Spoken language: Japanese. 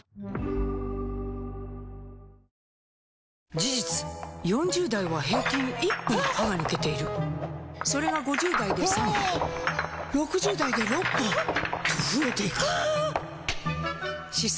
事実４０代は平均１本歯が抜けているそれが５０代で３本６０代で６本と増えていく歯槽